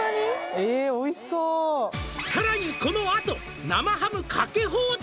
えおいしそう「さらにこのあと生ハムかけ放題！？」